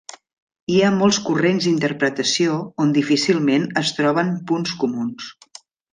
Hi ha molts corrents d'interpretació on difícilment es troben punts comuns.